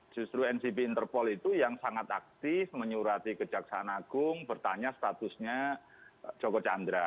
justru ncb interpol itu yang sangat aktif menyurati kejaksaan agung bertanya statusnya joko chandra